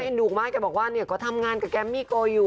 ดุมากแกบอกว่าเนี่ยก็ทำงานกับแกมมี่โกอยู่